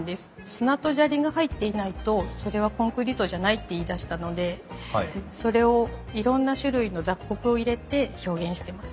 砂と砂利が入っていないとそれはコンクリートじゃないって言いだしたのでそれをいろんな種類の雑穀を入れて表現してます。